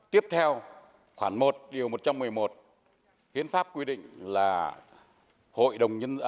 tiếp theo khoảng một điều một trăm một mươi một hiến pháp quy định là